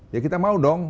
ya kita mau dong